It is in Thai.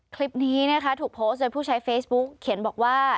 คลิปนี้นะคะถูกโพสต์โดยผู้ใช้เฟซบุ๊กเขียนบอกว่า